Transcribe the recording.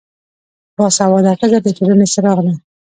با سواده ښځه دټولنې څراغ ده